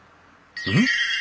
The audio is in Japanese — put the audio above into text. うん？